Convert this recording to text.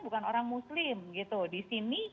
bukan orang muslim gitu di sini